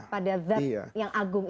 pada zat yang agung